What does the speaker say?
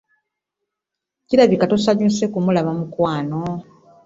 Kirabika tosanyuse kumulaba mukwano.